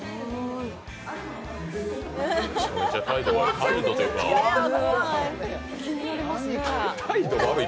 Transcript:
めちゃめちゃ態度悪い。